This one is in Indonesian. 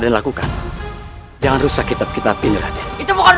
lihat kain bawang semestinya cukup keras